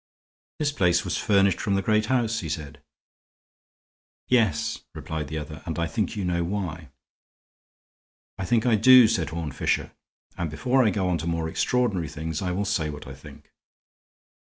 "This place was furnished from the great house," he said. "Yes," replied the other, "and I think you know why." "I think I do," said Horne Fisher, "and before I go on to more extraordinary things I will, say what I think.